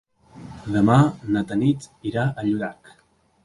Demà na Tanit irà a Llorac.